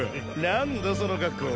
・何だその格好。